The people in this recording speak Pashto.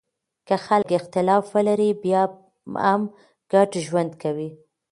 که خلګ اختلاف ولري بیا هم ګډ ژوند کوي.